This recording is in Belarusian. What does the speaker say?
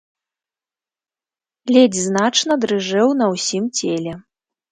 Ледзь значна дрыжэў на ўсім целе.